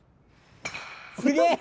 すげえ！